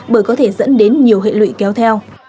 bởi có thể dẫn đến nhiều hệ lụy kéo theo